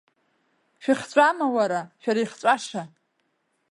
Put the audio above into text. Шәыхҵәама уара, шәара ихҵәаша!